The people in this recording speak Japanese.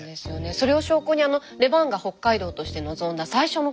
それを証拠にレバンガ北海道として臨んだ最初のホームゲーム。